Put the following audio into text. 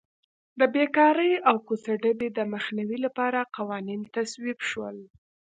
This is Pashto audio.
د بېکارۍ او کوڅه ډبۍ د مخنیوي لپاره قوانین تصویب شول.